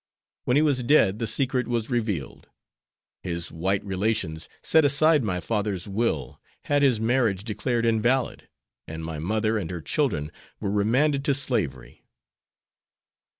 When he was dead the secret was revealed. His white relations set aside my father's will, had his marriage declared invalid, and my mother and her children were remanded to slavery."